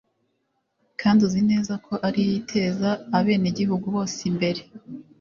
kandi uzi neza ko ari yo iteza abenegihugu bose imbere.